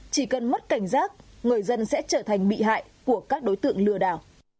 chỉ cần mất cảnh giác người dân sẽ trở thành bị hại của các đối tượng lừa đảo